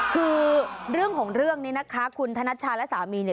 คือเรื่องของเรื่องนี้นะคะคุณธนัชชาและสามีเนี่ย